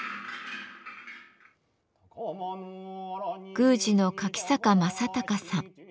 宮司の柿坂匡孝さん。